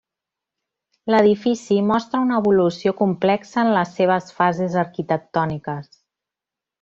L'edifici mostra una evolució complexa en les seves fases arquitectòniques.